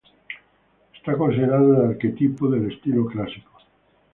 Es considerado el arquetipo del estilo clásico.